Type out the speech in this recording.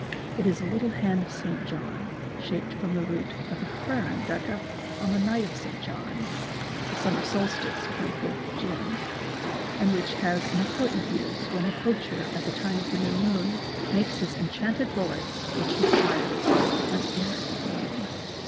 It is a little hand of St. John shaped from the root of a fern dug up on the night of St. John (the summer solstice, 24th June), and which has an important use when the poacher, at the time of the new moon, makes his enchanted bullets which he fires with unerring aim.